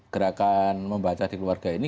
gerakan membaca di keluarga ini